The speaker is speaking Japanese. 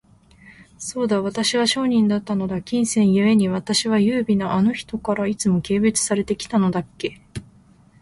そうだ、私は商人だったのだ。金銭ゆえに、私は優美なあの人から、いつも軽蔑されて来たのだっけ。